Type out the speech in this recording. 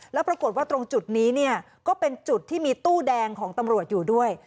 แล้วปรากฏว่าตรงจุดนี้เนี่ยก็เป็นจุดที่มีตู้แดงของตำรวจอยู่ด้วย